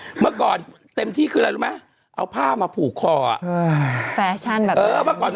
นี่เมื่อก่อนเต็มที่ชื่ออะไรรู้มั้ย